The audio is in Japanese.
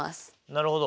なるほど。